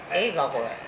これ。